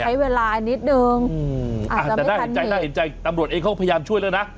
ใช้เวลานิดนึงอ้าแต่ได้น่าเอมตำรวจเองเขาก็พยายามช่วยแล้วนะ